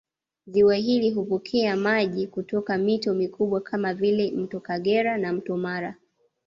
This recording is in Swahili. Ziwa hili hupokea maji kutoka mito mikubwa kama vile Mto Kagera na Mto Mara